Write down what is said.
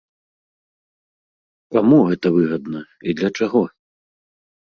Каму гэта выгадна і для чаго?